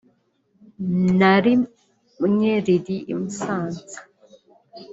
na rimwe riri i Musanze